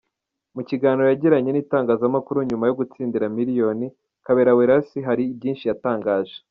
Mu kiganiriro yagiranye n’itangazamakuru nyuma yo gutsindira miliyoni, Kabera Wellars hari byinshi yatangaje.